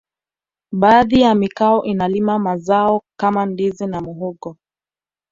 baadhi ya mikoa inalima mazao kama ndizi na muhogo